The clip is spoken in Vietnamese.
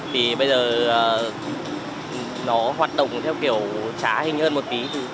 thì bây giờ nó hoạt động theo kiểu trá hình hơn một tí